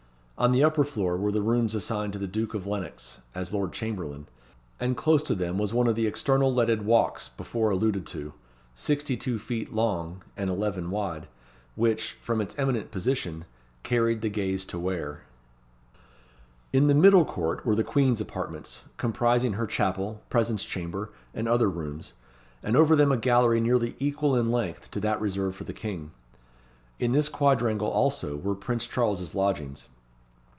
On the upper floor were the rooms assigned to the Duke of Lennox, as Lord Chamberlain, and close to them was one of the external leaded walks before alluded to, sixty two feet long and eleven wide, which, from its eminent position, carried the gaze to Ware. In the Middle court were the Queen's apartments, comprising her chapel, presence chamber, and other rooms, and over them a gallery nearly equal in length to that reserved for the King. In this quadrangle, also, were Prince Charles's lodgings.